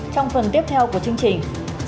trong phần tiếp theo của chương trình